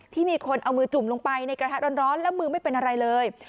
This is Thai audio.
ที่มีคนเอามือจุ่มลงไปในกระทะร้อนแล้วมือไม่เป็นอะไรเลย